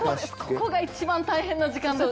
ここが一番大変な時間ですね。